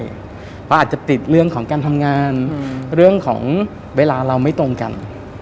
เพราะอาจจะติดเรื่องของการทำงานเรื่องของเวลาเราไม่ตรงกัน